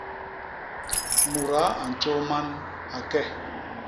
Mudaa a ntjôô man, a ke!